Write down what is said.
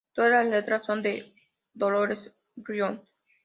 Todas las letras son de Dolores O'Riordan.